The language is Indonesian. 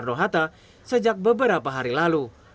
soekarno hatta sejak beberapa hari lalu